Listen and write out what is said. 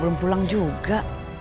belum pulang juga